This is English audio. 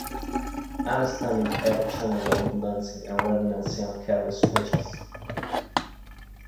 Understanding EtherChannel Load Balancing and Redundancy on Catalyst Switches.